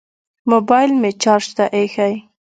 موبیل مې چارج ته ایښی